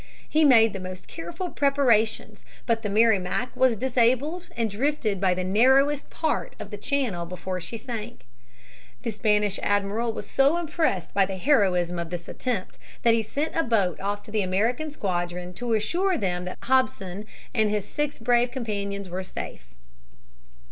He made the most careful preparations. But the Merrimac was disabled and drifted by the narrowest part of the channel before she sank. The Spanish admiral was so impressed by the heroism of this attempt that he sent a boat off to the American squadron to assure them that Hobson and his six brave companions were safe.